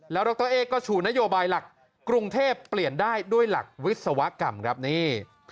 แล้วดรเอ๊ก็ชูนโยบายหลักกรุงเทพเปลี่ยนได้ด้วยหลักวิศวกรรมครับนี่